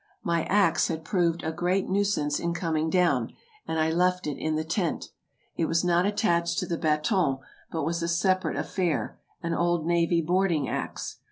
My axe had proved a great EUROPE 217 nuisance in coming down, and I left it in the tent. It was not attached to the baton, but was a separate affair — an old navy boarding axe.